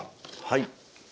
はい。